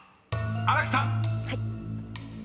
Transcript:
［新木さん］